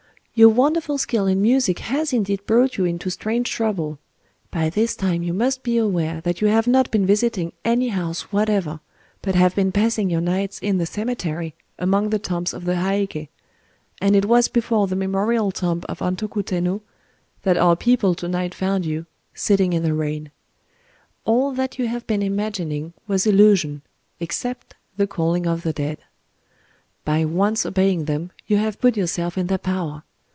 Your wonderful skill in music has indeed brought you into strange trouble. By this time you must be aware that you have not been visiting any house whatever, but have been passing your nights in the cemetery, among the tombs of the Heiké;—and it was before the memorial tomb of Antoku Tennō that our people to night found you, sitting in the rain. All that you have been imagining was illusion—except the calling of the dead. By once obeying them, you have put yourself in their power.